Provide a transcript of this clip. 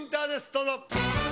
どうぞ。